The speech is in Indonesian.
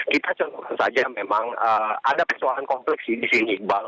kita contohkan saja memang ada persoalan kompleks di sini iqbal